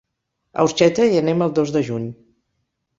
A Orxeta hi anem el dos de juny.